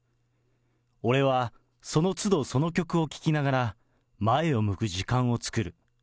俺はそのつど、その曲を聴きながら、前を向く時間を作る。